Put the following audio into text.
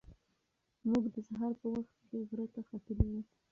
موږ د سهار په وخت کې غره ته ختلي وو.